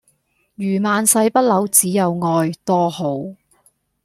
如萬世不朽只有愛多好